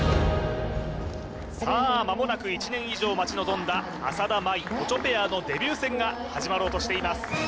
さあまもなく１年以上待ち望んだ浅田舞・オチョペアのデビュー戦が始まろうとしています